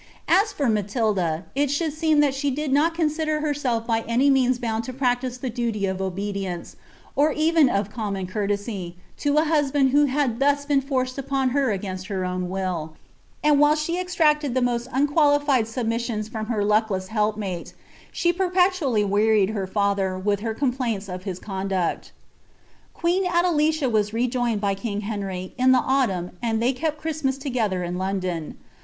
As for Matilda, it Hbould seem that • 'ii ill lilt consider herself by any means bound to practise the duty ri( i.iK. [)i,'ni'e, or even of common courtesy, to a husband who had thus bna forced upon her against her own will; and while she exacted the ROM nnqualilied submissions froto her luckless helpmate, she perpetually '«d her father with her complaints of his conduct. . sen Adelicia was rejoined by king Henry, in the autumn, and [ An kepi ilieir Christmas together in Loudon.